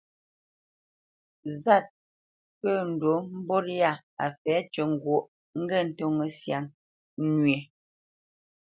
Zât pə̂ ndǔ mbot yâ a fɛ̌ tʉ́ ŋgwóʼ, ŋgê ntóŋə́ syâ nwē.